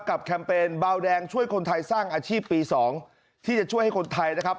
แคมเปญเบาแดงช่วยคนไทยสร้างอาชีพปี๒ที่จะช่วยให้คนไทยนะครับ